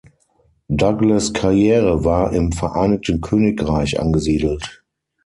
Douglas' Karriere war im Vereinigten Königreich angesiedelt.